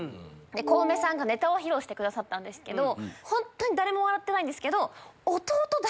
コウメさんがネタを披露してくださったんですけど本当に誰も笑ってないんです。